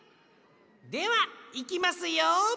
ではいきますよ！